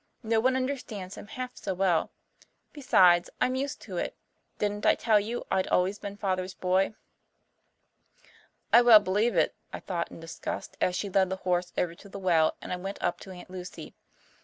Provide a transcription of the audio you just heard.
No one understands him half so well. Besides, I'm used to it. Didn't I tell you I'd always been Father's boy?" "I well believe it," I thought in disgust, as she led the horse over to the well and I went up to Aunt Lucy.